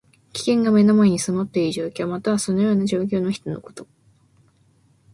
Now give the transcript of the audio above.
危険が目の前に迫っている状況。または、そのような状況の人のこと。